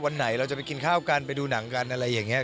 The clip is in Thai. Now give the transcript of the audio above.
วันไหนเราจะไปกินข้าวกันไปดูหนังกันอะไรอย่างนี้